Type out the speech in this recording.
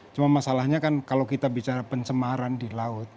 cuma masalahnya kan kalau kita bicara pencemaran di laut